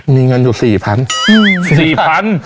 มีเงินอยู่๔๐๐๔๐๐บาท